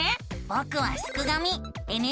ぼくはすくがミ。